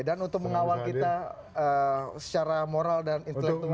dan untuk mengawal kita secara moral dan intelektual